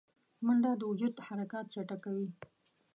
منډه د وجود حرکات چټکوي